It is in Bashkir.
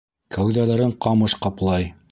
Кәүҙәләрен ҡамыш ҡаплай.